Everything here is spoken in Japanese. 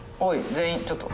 全員ちょっと。